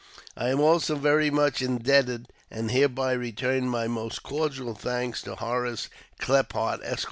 I am also very much indebted, and hereby return my most cordial thanks, to Horace Klephart, Esq.